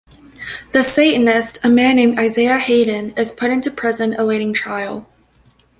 The Satanist, a man named Isaiah Haden, is put into prison awaiting trial.